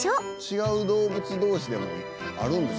違う動物同士でもあるんですね。